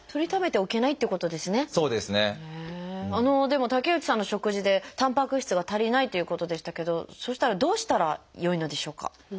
でも竹内さんの食事でたんぱく質が足りないということでしたけどそしたらどうしたらよいのでしょうか？